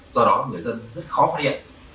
do đó người dân rất khó phát hiện